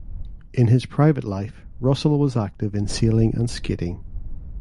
In his private life Russell was active in sailing and skating.